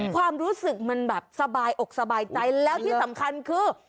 ความรู้สึกมันแบบสบายอกสบายใจแล้วที่สำคัญคือ